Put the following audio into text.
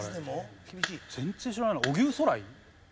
全然知らないな。